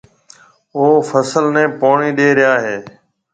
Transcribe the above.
او فصل نَي پوڻِي ڏيَ ريا هيَ۔